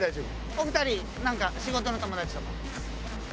お二人なんか仕事の友達とか？